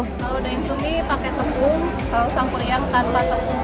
kalau dayang sumbi pakai tepung kalau sang kuriang tanpa tepung